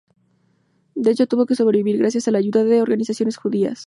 De hecho, tuvo que sobrevivir gracias a la ayuda de organizaciones judías.